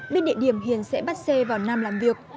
bên địa điểm hiền sẽ bắt xe vào nam làm việc